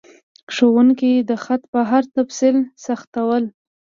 ښوونکي د خط په هر تفصیل سخت ول.